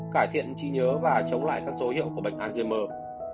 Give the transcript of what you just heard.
cải thiện trí nhớ và chống lại các dấu hiệu của bệnh algerm